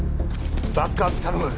バックアップ頼む。